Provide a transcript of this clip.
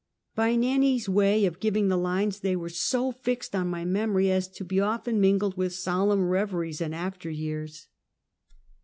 '" By Nannie's way of giving the lines, they were so fixed on my memory as to be often mingled with solemn reveries in after years.